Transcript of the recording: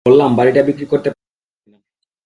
বললাম, বাড়িটা বিক্রি করতে পারব কি না।